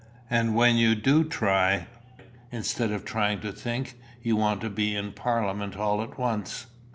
And when you do try, instead of trying to think, you want to be in Parliament all at once."